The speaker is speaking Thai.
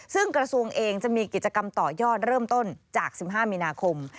ซึ่งกระทรวงเองจะมีกิจกรรมต่อยอดเริ่มต้นจาก๑๕มีนาคม